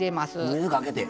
水かけて。